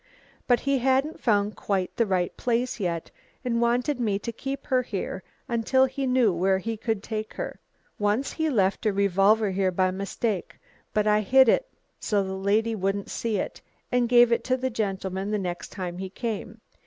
But he hadn't found quite the right place yet, and wanted me to keep her here until he knew where he could take her. Once he left a revolver here by mistake. But I hid it so the lady wouldn't see it, and gave it to the gentleman the next time he came.